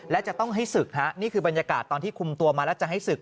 และจะต้องให้ศึกฮะนี่คือบรรยากาศตอนที่คุมตัวมาแล้วจะให้ศึก